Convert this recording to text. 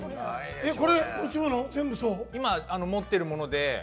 これ、今持ってるもので。